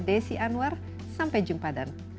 desi anwar sampai jumpa dan